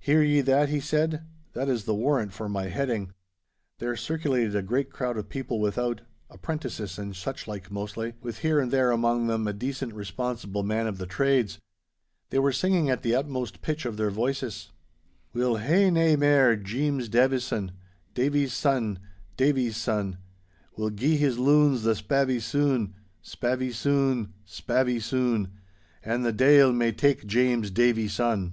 'Hear ye that?' he said. 'That is the warrant for my heading.' There circulated a great crowd of people without, apprentices and suchlike mostly, with here and there among them a decent, responsible man of the trades. They were singing at the utmost pitch of their voices:— 'We'll hae nae mair Jeems Davie son, Davie's son—Davie's son! We'll gie his loons the spavie sune, Spavie sune, spavie sune, An' the deil may tak Jeems Davie son.